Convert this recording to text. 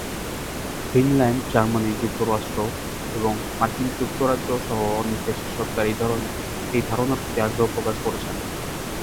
Finland, Germany, যুক্তরাজ্য, এবং মার্কিন যুক্তরাষ্ট্র সহ অনেক দেশের সরকার এই ধারণার প্রতি আগ্রহ প্রকাশ করেছে।